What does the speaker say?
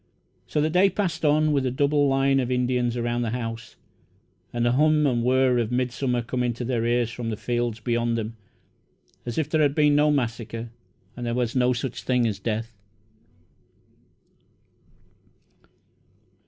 So the day passed on, with a double line of Indians around the house, and the hum and whir of midsummer coming to their ears from the fields beyond them, as if there had been no massacre and there was no such thing as death.